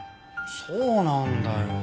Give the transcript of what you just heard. そうなんだよ。